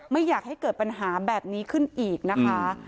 ไม่อยากให้เกิดปัญหาแบบนี้ขึ้นอีกนะคะ